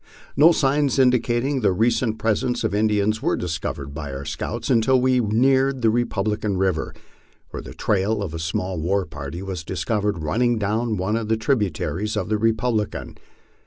No signs indicating the recent presence of Indians were discovered by our scouts until we neared the Republican river, where the trail of a small war party was discovered running down one of the tributaries of the Republican.